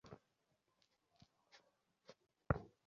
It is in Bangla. যেভাবে তুমি তোমার স্ত্রীকে কষ্ট দিচ্ছ?